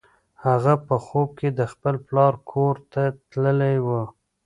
هغه په خوب کې د خپل پلار کور ته تللې وه.